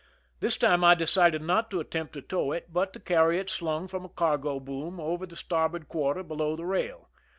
This i time I decided not to attempt to tow it, but to carry { it slung from a cargo boom over the starboard ' quarter belo^v the rail.